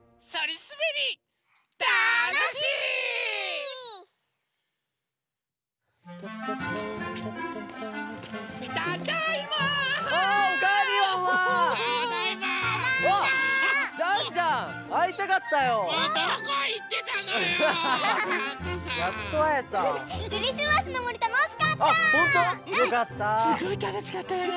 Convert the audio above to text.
すごいたのしかったよね。